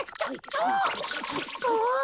ちょっと。